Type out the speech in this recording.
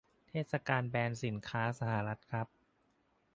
เทศกาลแบนสินค้าสหรัฐครับ